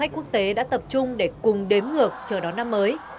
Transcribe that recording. khách quốc tế đã tập trung để cùng đếm ngược chờ đón năm mới